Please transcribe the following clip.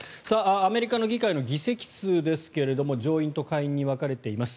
アメリカの議会の議席数ですが上院と下院に分かれています。